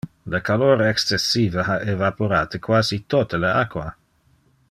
Le calor excessive ha evaporate quasi tote le aqua.